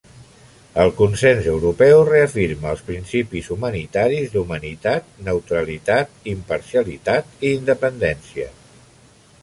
El Consens Europeu reafirma els principis humanitaris d'humanitat, neutralitat, imparcialitat i independència.